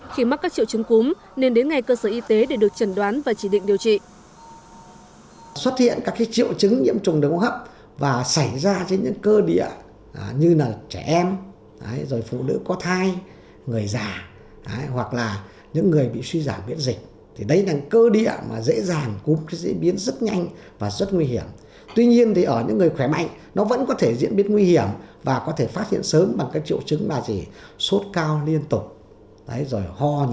khi mắc các triệu chứng cúm nên đến ngay cơ sở y tế để được trần đoán và chỉ định điều trị